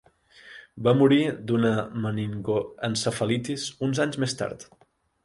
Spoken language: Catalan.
Va morir d'una meningoencefalitis uns anys més tard.